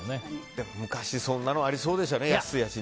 でも昔そんなのありそうでしたよね。